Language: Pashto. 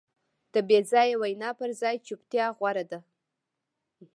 د بېځایه وینا پر ځای چوپتیا غوره ده.